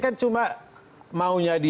ini sudah terjadi